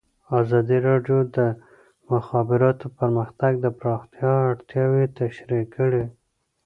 ازادي راډیو د د مخابراتو پرمختګ د پراختیا اړتیاوې تشریح کړي.